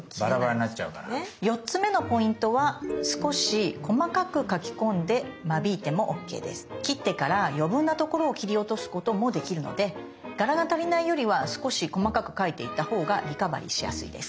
４つ目のポイントは切ってから余分なところを切り落とすこともできるので柄が足りないよりは少し細かく描いていったほうがリカバリーしやすいです。